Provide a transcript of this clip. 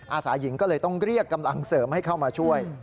อาสาหญิงก็เลยต้องเรียกกำลังเสริมให้เข้ามาช่วย